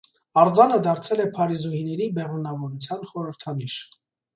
Արձանը դարձել է փարիզուհիների բեղմնավորության խորհրդանիշ։